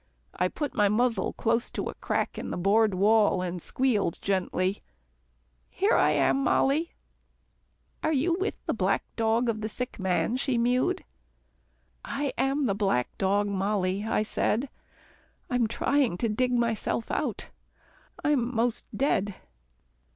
I put my muzzle close to a crack in the board wall, and squealed gently, "Here I am, Mollie." "Are you with the black dog of the sick man?" she mewed. "I am the black dog, Mollie," I said. "I'm trying to dig myself out. I'm most dead."